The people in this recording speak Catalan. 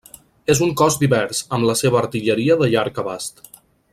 És un cos divers, amb la seva artilleria de llarg abast.